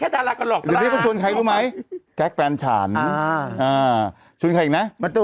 อย่างนี้เขาเป็นซุปเปอร์สตาร์ทแล้ว